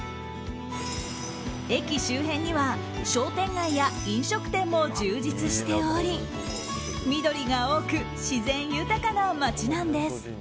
駅周辺には商店街や飲食店も充実しており緑が多く自然豊かな街なんです。